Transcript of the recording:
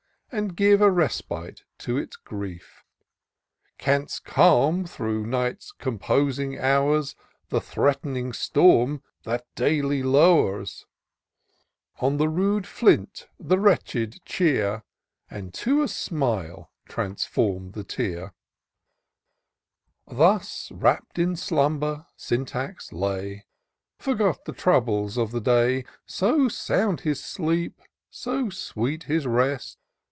And give a respite to its grief; Canst calm, through night's composing hours. The threat'ning storm that daily low'rs ; On the rude flint the wretched cheer, And to a smile transform the tear ! TQUR OF DOCTOR SYNTAX Thus wrapt in slumber Syntax lay — Fprgot the troubles of the day : Sq sound his sleep, so sweet his rest.